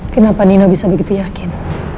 kenapa nino bisa begitu yakin